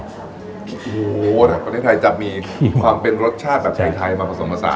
โอ้โหแต่ประเทศไทยจะมีความเป็นรสชาติแบบไทยมาผสมผสาน